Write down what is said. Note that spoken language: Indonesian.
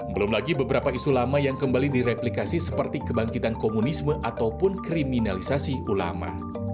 belum lagi beberapa isu lama yang kembali direplikasi seperti kebangkitan komunisme ataupun kriminalisasi ulama